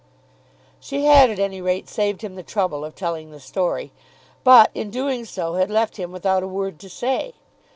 She had at any rate saved him the trouble of telling the story, but in doing so had left him without a word to say.